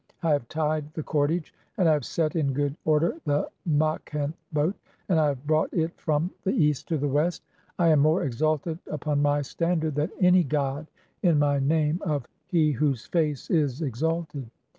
I have tied the cordage and I have set in good "order the Makhent boat, and I have brought [it] [from] the "East [to] the West. I am more exalted upon my standard (25) "than any god in my name of 'He whose face is exalted'.